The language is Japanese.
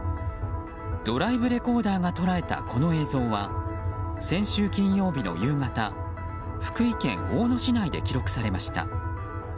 ドライブレコーダーが捉えたこの映像は先週金曜日の夕方福井県大野市内で記録されました。